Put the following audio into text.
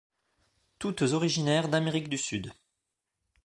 Toutes originaires d'Amérique du Sud.